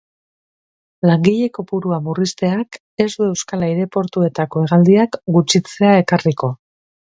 Langile kopurua murrizteak ez du euskal aireportuetako hegaldiak gutxitzea ekarriko.